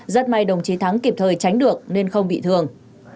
rất may đồng chí thắng kịp thời tránh được nên không bị thương